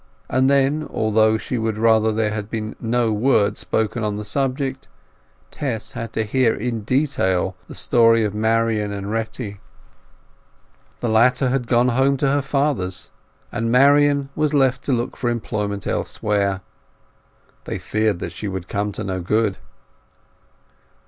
And then, although she would rather there had been no word spoken on the subject, Tess had to hear in detail the story of Marian and Retty. The later had gone home to her father's, and Marian had left to look for employment elsewhere. They feared she would come to no good.